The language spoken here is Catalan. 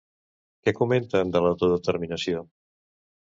Què comenten de l'autodeterminació?